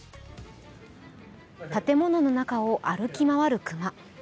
建物の中を歩き回る熊。